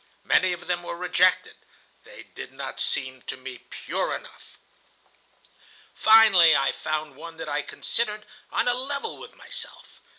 Many of them were rejected: they did not seem to me pure enough! "Finally I found one that I considered on a level with myself.